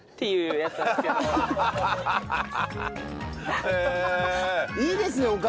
いいですね